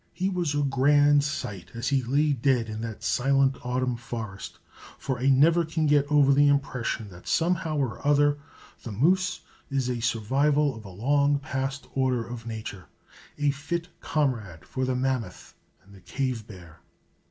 He was a grand sight as he lay dead in that silent autumn forest for I never can get over the impression that somehow or other the moose is a survival of a long past order of nature, a fit comrade for the mammoth and the cave bear.